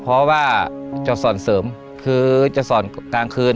เพราะว่าจะสอนเสริมคือจะสอนกลางคืน